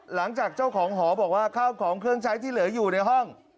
หลังจากเจ้าของหอบอกว่าข้าวของเครื่องใช้ที่เหลืออยู่ในห้อง